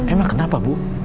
emang kenapa bu